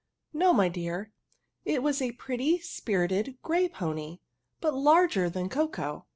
No, my dear, it was a pretty, spiritedi gfey peri^i but larger than Coco.!'